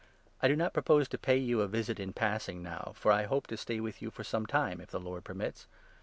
I do not 7 propose to pay you a visit in passing now, for I hope to stay with you for some time, if the Lord permits.